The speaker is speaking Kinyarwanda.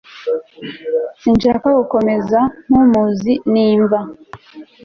Sinshaka gukomeza nkumuzi nimva